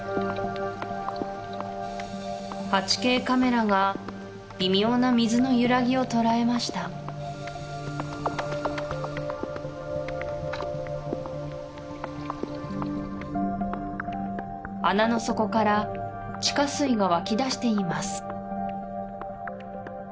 ８Ｋカメラが微妙な水のゆらぎを捉えました穴の底から地下水が湧き出しています